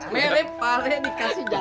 mere pale dikasih jalan